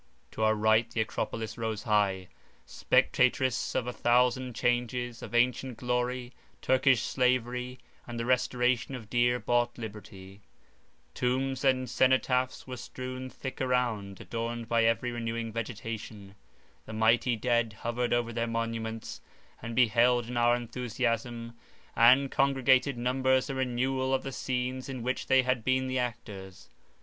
To our right the Acropolis rose high, spectatress of a thousand changes, of ancient glory, Turkish slavery, and the restoration of dear bought liberty; tombs and cenotaphs were strewed thick around, adorned by ever renewing vegetation; the mighty dead hovered over their monuments, and beheld in our enthusiasm and congregated numbers a renewal of the scenes in which they had been the actors.